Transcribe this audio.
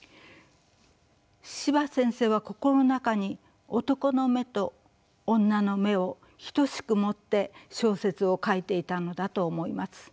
司馬先生は心の中に男の眼と女の眼を等しく持って小説を書いていたのだと思います。